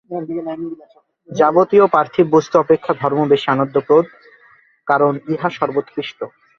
যাবতীয় পার্থিব বস্তু অপেক্ষা ধর্ম বেশী আনন্দপ্রদ, কারণ ইহা সর্বোৎকৃষ্ট।